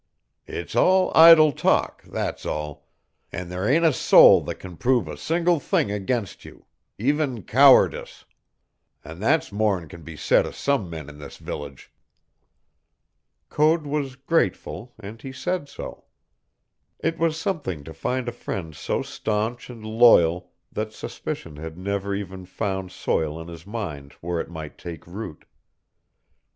It's all idle talk, that's all; an' there ain't a soul that can prove a single thing against you, even cowardice. An' that's more'n can be said o' some men in this village." Code was grateful, and he said so. It was something to find a friend so stanch and loyal that suspicion had never even found soil in his mind where it might take root.